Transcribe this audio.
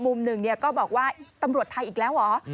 มุมหนึ่งก็บอกว่าตำรวจไทยอีกแล้วเหรอ